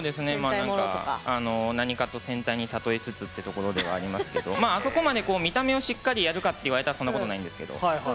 何かと戦隊に例えつつっていうところでありますけどあそこまで見た目をしっかりやるかっていわれたらそんなことないんですけど。